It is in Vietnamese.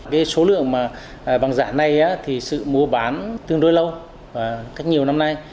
cái số lượng mà bằng giả này thì sự mua bán tương đối lâu cách nhiều năm nay